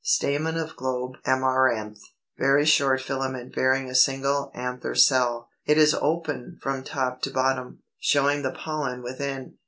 299. Stamen of Globe Amaranth; very short filament bearing a single anther cell; it is open from top to bottom, showing the pollen within.